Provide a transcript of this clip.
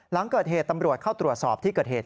หลังเกิดเหตุตำรวจเข้าตรวจสอบที่เกิดเหตุ